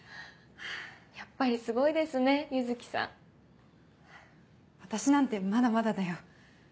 やっぱりすごいですね柚木さん。私なんてまだまだだよ。